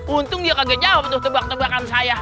untung dia kaget jawab tuh tebakan tebakan saya